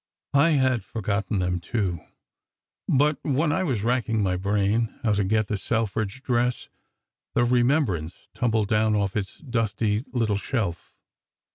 I had forgotten them, too, but when I was racking my brain how to get the Selfridge dress, the remembrance tumbled down off its dusty little shelf.